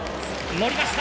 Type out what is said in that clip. のりました！